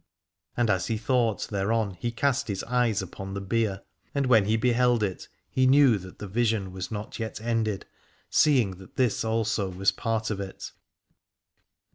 And as he thought thereon he cast his eyes upon the bier, and 355 Aladore when he beheld it he knew that the vision was not yet ended, seeing that this also was part of it.